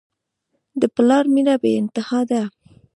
د پلار مینه بېانتها ده.